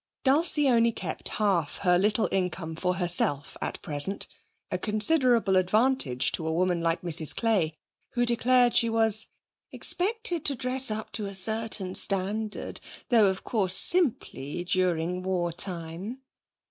Dulcie only kept half her little income for herself at present, a considerable advantage to a woman like Mrs Clay, who declared she was 'expected to dress up to a certain standard, though, of course, simply during war time.'